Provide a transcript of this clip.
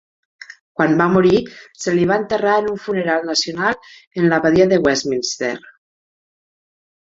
Quan va morir, se li va enterrar en un funeral nacional en l'Abadia de Westminster.